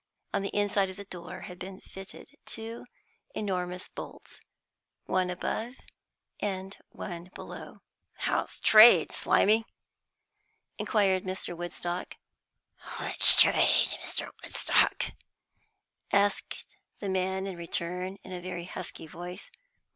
On the inside of the door had been fitted two enormous bolts, one above and one below. "How's trade, Slimy?" inquired Mr. Woodstock. "Which trade, Mr. Woodstock?" asked the man in return, in a very husky voice.